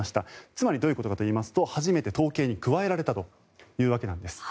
つまりどういうことかといいますと初めて統計に加えられたということです。